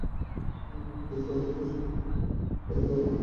আর, - আমি কাল সকালে বাসা খালি করে দেব।